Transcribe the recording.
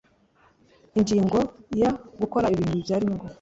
ingingo ya gukora ibintu bibyara inyungu